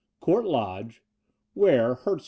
Court Lodge, Wakb, Herts.